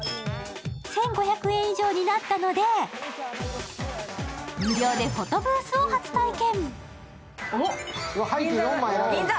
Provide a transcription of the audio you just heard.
１５００円以上になったので無料でフォトブースを初体験。